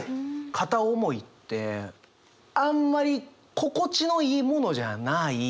片思いってあんまり心地のいいものじゃない。